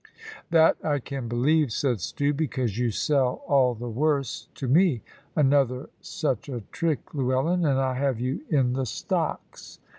"That I can believe," said Stew; "because you sell all the worst to me. Another such a trick, Llewellyn, and I have you in the stocks."